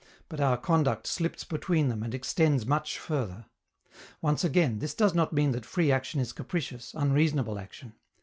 But our conduct slips between them and extends much further. Once again, this does not mean that free action is capricious, unreasonable action.